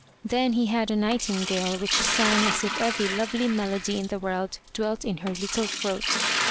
Then he had a nightingale which sang as if every lovely melody in the world dwelt in her little throat.